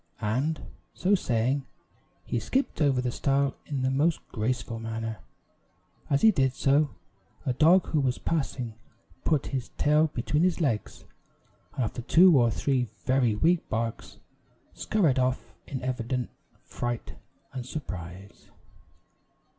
And, so saying, he skipped over the stile in the most graceful manner. As he did so, a dog who was passing put his tail between his legs, and after two or three very weak barks, scurried off in evident fright and surprise.